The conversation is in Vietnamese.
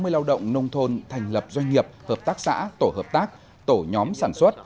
bốn trăm tám mươi lao động nông thôn thành lập doanh nghiệp hợp tác xã tổ hợp tác tổ nhóm sản xuất